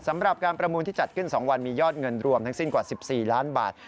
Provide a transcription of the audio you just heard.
สำหรับการประมูลที่จัดขึ้น๒วันมียอดเงินรวมทั้งสิ้นกว่า๑๔ล้านบาท